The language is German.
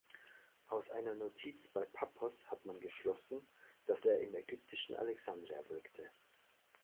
Aus einer Notiz bei Pappos hat man geschlossen, dass er im ägyptischen Alexandria wirkte.